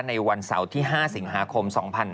ในวันเสาร์ที่๕สิงหาคม๒๕๖๒